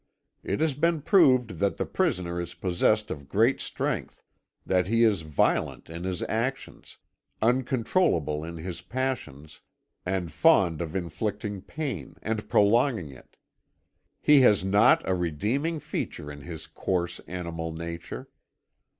"It has been proved that the prisoner is possessed of great strength, that he is violent in his actions, uncontrollable in his passions, and fond of inflicting pain and prolonging it. He has not a redeeming feature in his coarse, animal nature.